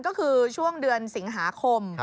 ก็คือช่วงเดือนสิงหาคม